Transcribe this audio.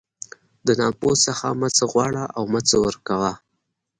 د ناپوه څخه مه څه غواړه او مه څه ورکوه.